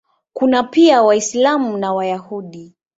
Kuna pia Waislamu na Wayahudi.